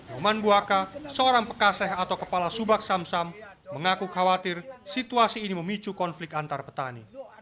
nyoman buaka seorang pekaseh atau kepala subak samsam mengaku khawatir situasi ini memicu konflik antar petani